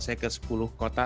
saya ke sepuluh kota